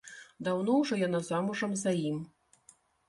Даўно ўжо яна замужам за ім.